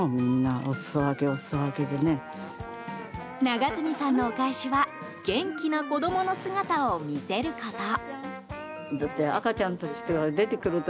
永住さんのお返しは元気な子供の姿を見せること。